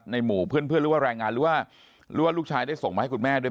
ในหมู่เพื่อนได้ว่ารายงานรื่อว่ารู้ว่าลูกชายได้ส่งมาด้วย